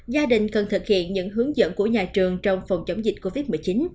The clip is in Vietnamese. gia đình cần thực hiện những hướng dẫn của nhà trường trong phòng chống dịch covid một mươi chín